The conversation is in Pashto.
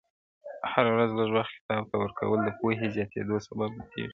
• هره ورځ لږ وخت کتاب ته ورکول د پوهي زياتېدو سبب ګرځي -